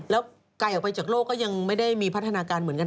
แล้วไกลออกไปจากโลกก็ยังไม่ได้มีพัฒนาการเหมือนกัน